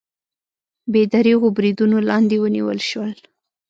بې درېغو بریدونو لاندې ونیول شول